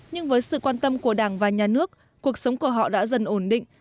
nhưng với sự quan tâm của đảng và nhà nước cuộc sống của họ đã dần ổn định